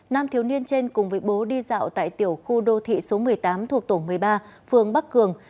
nam thiếu niên trên cùng với bố đi dạo tại tiểu khu đô thị số một mươi tám thuộc tổ một mươi ba phường bắc cường